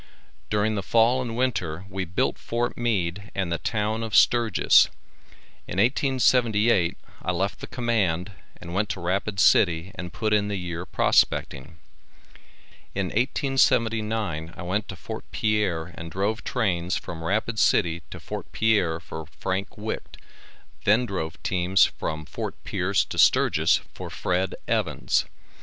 During the fall and winter we built Fort Meade and the town of Sturgis. In 1878 I left the command and went to Rapid city and put in the year prospecting. In 1879 I went to Fort Pierre and drove trains from Rapid city to Fort Pierre for Frank Wite then drove teams from Fort Pierce to Sturgis for Fred. Evans.